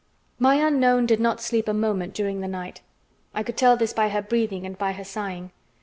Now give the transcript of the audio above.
My unknown did not sleep a moment during the night. I could tell this by her breathing and by her sighing.